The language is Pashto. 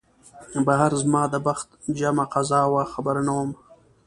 بهر زما د بخت جمعه قضا وه خبر نه وم